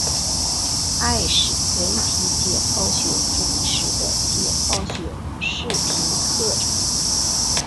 艾氏人体解剖学主持的解剖学视频课程。